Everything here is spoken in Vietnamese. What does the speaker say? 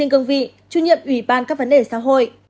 trên cương vị chủ nhiệm ủy ban các vấn đề xã hội